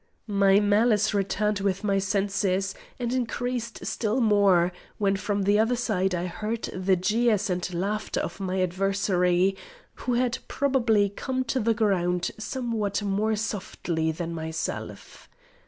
My malice returned with my senses, and increased still more, when from the other side I heard the jeers and laughter of my adversary, who had probably come to the ground somewhat more softly than myself.